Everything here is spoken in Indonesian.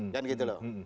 kan gitu loh